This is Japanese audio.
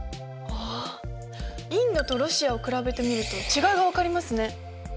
あっインドとロシアを比べてみると違いが分かりますね。